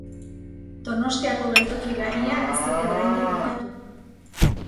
Donostiako geltoki berria ez dute oraindik bukatu.